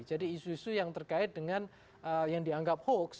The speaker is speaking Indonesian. isu isu yang terkait dengan yang dianggap hoax